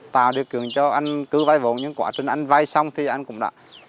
tao được cường cho anh cứ vay vốn những quá trình anh vay xong thì anh cũng đã